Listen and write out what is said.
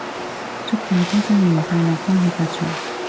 祝大家新年快樂！恭喜發財！